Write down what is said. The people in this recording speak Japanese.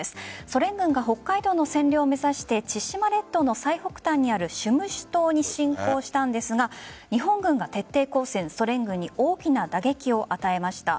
ソ連軍が北海道の占領を目指して千島列島の最北端にある占守島に侵攻したんですが日本軍が徹底抗戦ソ連軍に大きな打撃を与えました。